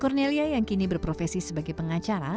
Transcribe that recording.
cornelia yang kini berprofesi sebagai pengacara